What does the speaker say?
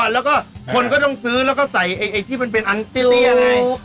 แล้วคนเค้าต้องซื้อใช้เค้าเป็นเตี้ยยังไง